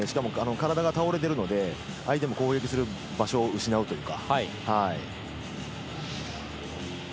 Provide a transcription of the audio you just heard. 体が倒れているので相手も攻撃する場所を失うというか。